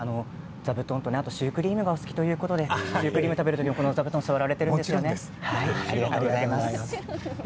座布団とシュークリームがお好きということで食べる時もこの座布団に座られているんですよね。